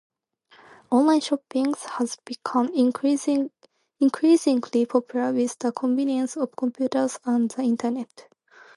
Online shopping has become increasingly popular with the convenience of computers and the internet.